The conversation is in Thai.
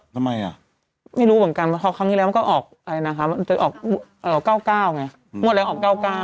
ทำไมอ่ะไม่รู้เหมือนกันเพราะครั้งที่แล้วมันก็ออกไปนะคะออก๙๙ไงงวดแล้วออก๙๙